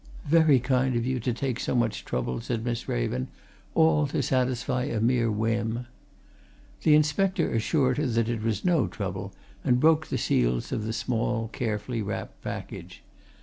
"Very kind of you to take so much trouble," said Miss Raven. "All to satisfy a mere whim." The inspector assured her that it was no trouble, and broke the seals of the small, carefully wrapped package.